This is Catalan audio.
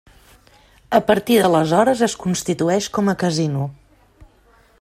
A partir d'aleshores es constitueix com a casino.